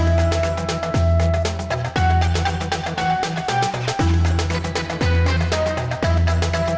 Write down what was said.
assalamualaikum pak ustaz